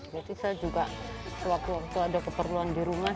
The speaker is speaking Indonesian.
jadi saya juga sewaktu waktu ada keperluan di rumah